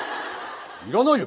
要らないよ